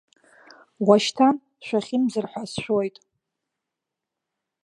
Ушьҭан шәахьымӡар ҳәа сшәоит!